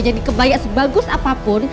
jadi kebaya sebagus apapun